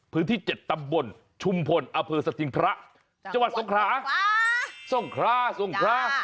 พื้นที่๗ตำบลชุมพลอภิสติงพระจังหวัดทรงคลา